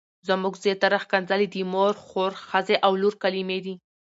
زموږ زياتره ښکنځلې د مور، خور، ښځې او لور کلمې دي.